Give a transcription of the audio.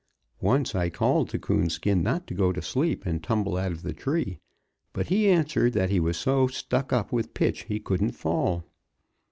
Once I called to Coonskin not to go to sleep and tumble out of the tree, but he answered that he was so stuck up with pitch he couldn't fall.